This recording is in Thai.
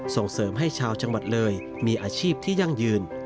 ส่งเสริมให้ชาวจังหวัดเลยมีอาชีพที่ยั่งยืน